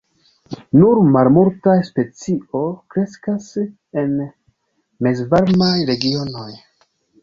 Nur malmultaj specio kreskas en mezvarmaj regionoj.